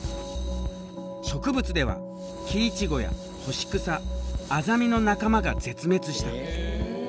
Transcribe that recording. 植物ではキイチゴやホシクサアザミの仲間が絶滅した。